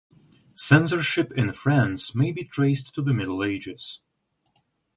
Censorship in France may be traced to the middle ages.